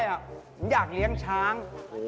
ผมอยากเลี้ยงช้าง